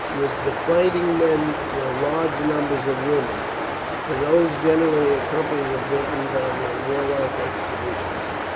With the fighting men were large numbers of women, for these generally accompanied the Britons on their warlike expeditions.